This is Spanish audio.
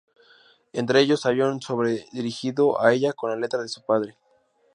Entre ellos había un sobre dirigido a ella con la letra de su padre.